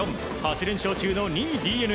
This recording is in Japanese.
８連勝中の２位、ＤｅＮＡ。